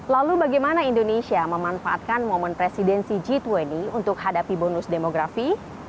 lalu bagaimana indonesia memanfaatkan momen presidensi g dua puluh untuk hadapi bonus demografi